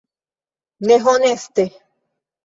Ne honeste!